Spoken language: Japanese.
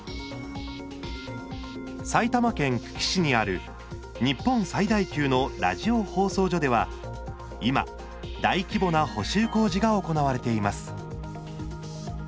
埼玉県久喜市にある日本最大級のラジオ放送所では今、大規模な補修工事が行われています。